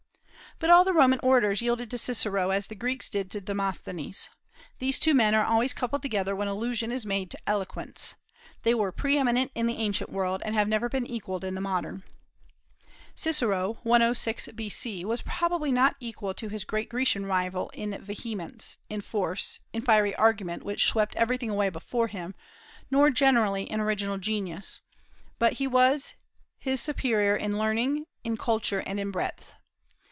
But all the Roman orators yielded to Cicero, as the Greeks did to Demosthenes. These two men are always coupled together when allusion is made to eloquence. They were pre eminent in the ancient world, and have never been equalled in the modern. Cicero, 106 B.C., was probably not equal to his great Grecian rival in vehemence, in force, in fiery argument which swept everything away before him, nor generally in original genius; but he was his superior in learning, in culture, and in breadth.